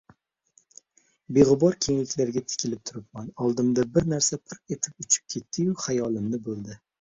Begʻubor kengliklarga tikili-ib turibman, oldimdan bir narsa pirr etib uchib ketdiyu xayolimni boʻldi.